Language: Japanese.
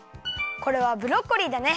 これはブロッコリーだね。